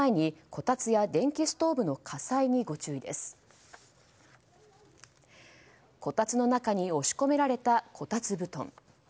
こたつの中に押し込められた、こたつ布団。